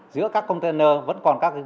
giữa các container vẫn còn các container